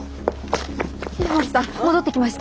稲森さん戻ってきました。